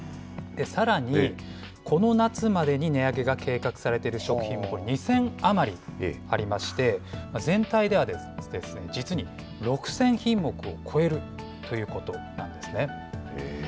さらにこの夏までに値上げが計画されている食品もこれ、２０００余りありまして、全体では、実に６０００品目を超えるということなんですね。